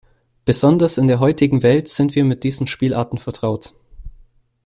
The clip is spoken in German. Besonders in der heutigen Welt sind wir mit diesen Spielarten vertraut.